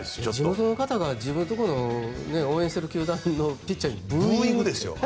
地元の方が自分が応援している球団のピッチャーにブーイングですよ。